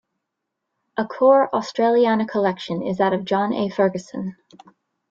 A core Australiana collection is that of John A. Ferguson.